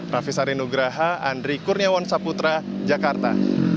raffi sari nugraha andri kurniawan saputra jakarta